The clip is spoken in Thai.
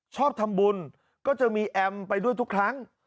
ชอบทำบุญก็จะมีแอมไปด้วยทุกครั้ง